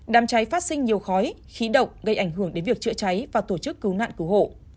đàm cháy phát sinh nhiều khói khí độc gây ảnh hưởng đến việc chữa cháy và tổ chức cứu nạn cứu hộ